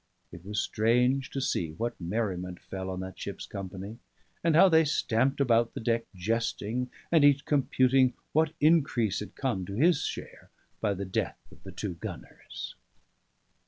It was strange to see what merriment fell on that ship's company, and how they stamped about the deck jesting, and each computing what increase had come to his share by the death of the two gunners.